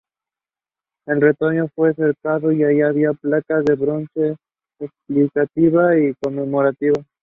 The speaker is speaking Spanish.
Ese retoño fue cercado y allí había una placa de bronce explicativa y conmemorativa.